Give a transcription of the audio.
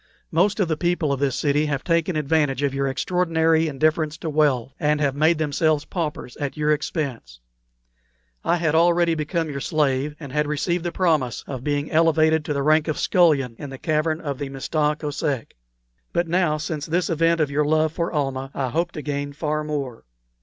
Most of the people of this city have taken advantage of your extraordinary indifference to wealth, and have made themselves paupers at your expense. I had already become your slave, and had received the promise of being elevated to the rank of scullion in the cavern of the Mista Kosek. But now, since this event of your love for Almah, I hope to gain far more.